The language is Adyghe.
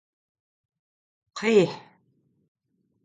Къихь!